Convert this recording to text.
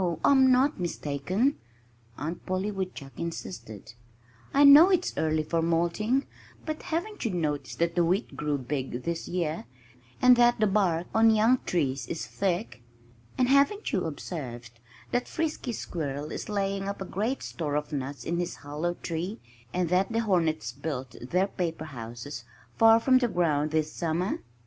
I'm not mistaken," Aunt Polly Woodchuck insisted. "I know it's early for molting but haven't you noticed that the wheat grew big this year, and that the bark on young trees is thick? And haven't you observed that Frisky Squirrel is laying up a great store of nuts in his hollow tree, and that the hornets built their paper houses far from the ground this summer?"